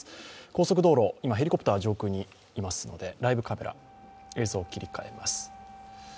高速道路、今、ヘリコプターが上空にいますので、ライブカメラに映像を切り替えます。